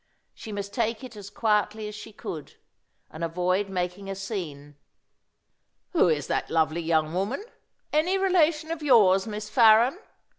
She must take it as quietly as she could, and avoid making a scene. "Who is that lovely young woman? Any relation of yours, Miss Farren?"